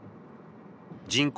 人口